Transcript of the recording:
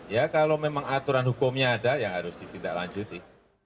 ya kalau memang aturan hukumnya ada yang harus kita lanjuti